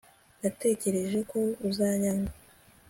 natekereje ko uzanyanga ..